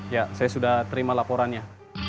ya saya sudah terima laporannya